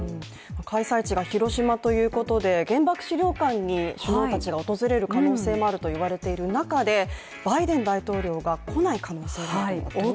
開催地が広島ということで原爆資料館に首脳たちが訪れる可能性もあると言われている中でバイデン大統領が来ない可能性と、どういうことですか？